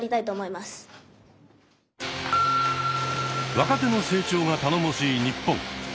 若手の成長が頼もしい日本。